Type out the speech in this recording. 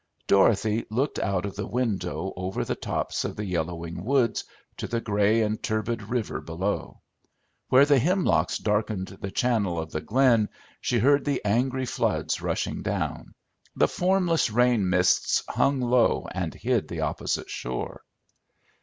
Dorothy looked out of the window over the tops of the yellowing woods to the gray and turbid river below. Where the hemlocks darkened the channel of the glen she heard the angry floods rushing down. The formless rain mists hung low and hid the opposite shore.